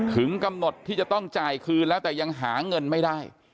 ถึงกำหนดที่จะต้องจ่ายคืนแล้วแต่ยังหาเงินไม่ได้